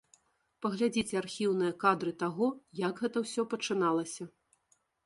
Паглядзіце архіўныя кадры таго, як гэта ўсё пачыналася.